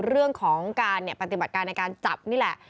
เรื่องของการปฏิบัติการในการจับนี่แหละ